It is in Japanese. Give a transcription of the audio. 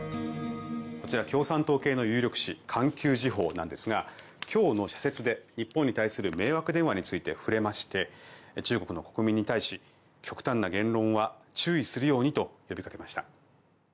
こちら共産党系の有力紙環球時報なんですが今日の社説で、日本に対する迷惑電話について触れまして中国の国民に対し極端な言論は注意するようにと呼びかけました。